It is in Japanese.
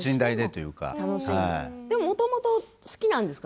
もともと好きなんですか？